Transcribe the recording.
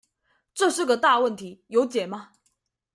這是個大問題，有解嗎？